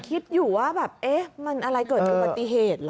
คิดอยู่ว่าแบบเอ๊ะมันอะไรเกิดอุบัติเหตุเหรอ